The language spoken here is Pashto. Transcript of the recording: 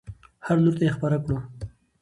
هر لور ته یې خپره کړو.